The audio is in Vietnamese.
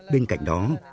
bên cạnh đó